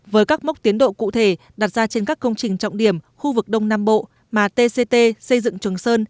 với các mốc tiến độ cụ thể đặt ra trên các công trình trọng điểm khu vực đông nam bộ mà tct xây dựng trường sơn